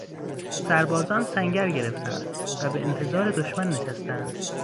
سربازان سنگر گرفتند و به انتظار دشمن نشستند.